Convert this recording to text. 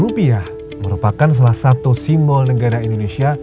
rupiah merupakan salah satu simbol negara indonesia